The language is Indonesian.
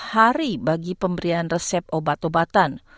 enam puluh hari bagi pemberian perubahan